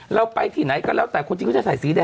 เราไปที่ไหนก็แล้วแต่คนจีนก็จะใส่สีแ